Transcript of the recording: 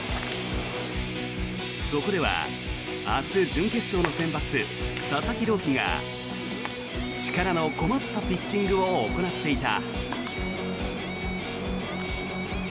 そこでは明日、準決勝の先発佐々木朗希が力のこもったピッチングを行っていた。